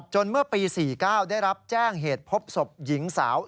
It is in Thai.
เมื่อปี๔๙ได้รับแจ้งเหตุพบศพหญิงสาว